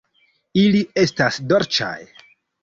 Ili estas dolĉaj!